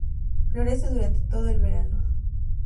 Florece durante todo el verano.